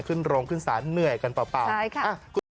ขึ้นโรงขึ้นศาลเหนื่อยกันเปล่า